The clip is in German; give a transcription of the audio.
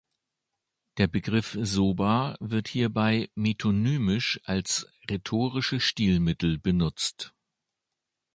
Der Begriff „Soba“ wird hierbei metonymisch als rhetorische Stilmittel benutzt.